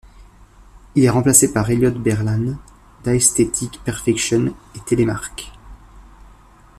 Il est remplacé par Elliott Berlin, d'Aesthetic Perfection et Telemark.